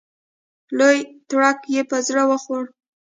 لوی تړک یې په زړه وخوړ.